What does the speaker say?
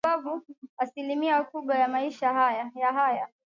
kwa sababu asilimia kubwa ya maisha haya